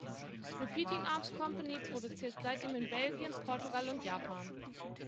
Repeating Arms Company produziert seitdem in Belgien, Portugal und Japan.